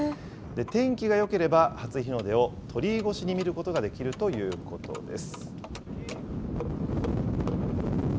天気がよければ、初日の出を鳥居越しに見ることができるということです。